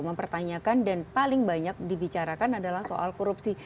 mempertanyakan dan paling banyak dibicarakan adalah soal korupsi